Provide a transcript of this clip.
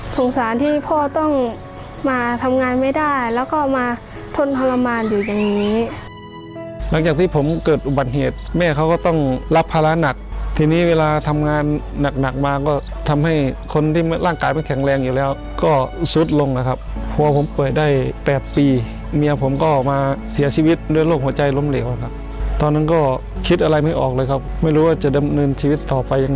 สารที่พ่อต้องมาทำงานไม่ได้แล้วก็มาทนทรมานอยู่อย่างนี้หลังจากที่ผมเกิดอุบัติเหตุแม่เขาก็ต้องรับภาระหนักทีนี้เวลาทำงานหนักหนักมาก็ทำให้คนที่ร่างกายไม่แข็งแรงอยู่แล้วก็สุดลงนะครับเพราะว่าผมเปิดได้๘ปีเมียผมก็ออกมาเสียชีวิตด้วยโรคหัวใจล้มเหลวครับตอนนั้นก็คิดอะไรไม่ออกเลยครับไม่รู้ว่าจะดำเนินชีวิตต่อไปยังไง